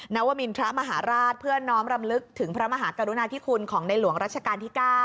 วมินทรมหาราชเพื่อน้อมรำลึกถึงพระมหากรุณาธิคุณของในหลวงรัชกาลที่๙